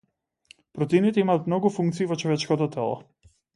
Протеините имаат многу функции во човечкото тело.